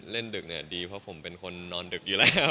ดึกเนี่ยดีเพราะผมเป็นคนนอนดึกอยู่แล้ว